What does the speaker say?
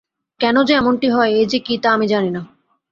কেন যে এমনটি হয়, এ যে কী তা আমি জানি না।